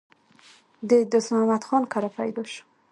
د دوست محمد خان کره پېدا شو